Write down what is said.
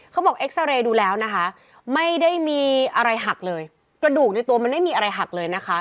เอ็กซาเรย์ดูแล้วนะคะไม่ได้มีอะไรหักเลยกระดูกในตัวมันไม่มีอะไรหักเลยนะคะ